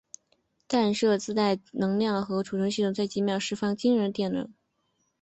弹射器自带的能量存储系统能在几秒内释放出惊人的电能。